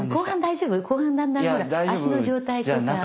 後半だんだんほら足の状態とか。